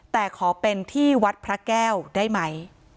แต่ขอเป็นที่วัดพระแก้วได้ไหม